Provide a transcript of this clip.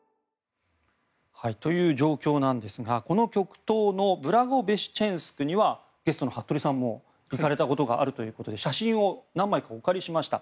という状況なんですがこの極東のブラゴベシチェンスクにはゲストの服部さんも行かれたことがあるということで写真を何枚かお借りしました。